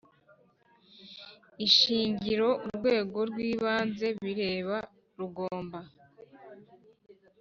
Ishingiro urwego rw ibanze bireba rugomba